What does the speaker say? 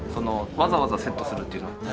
わざわざセットするっていうの。